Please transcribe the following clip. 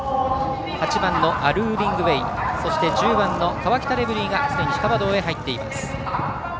８番のアルーリングウェイそして、１０番のカワキタレブリーが地下馬道に入っています。